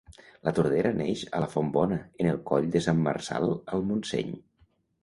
La Tordera neix a la Font Bona, en el Coll de Sant Marçal al Montseny.